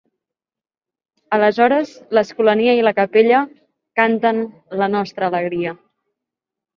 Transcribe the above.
Aleshores l'escolania i la capella canten "La nostra alegria".